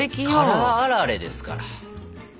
辛あられですから。